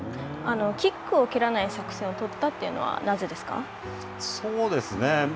キックを蹴らない作戦を取ったというのは、なぜですか。